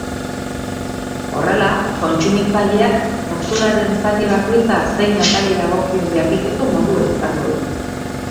Horrela, kontsumitazileak fakturaren zati bakoitza zein atali dagokion jakiteko modua izango du.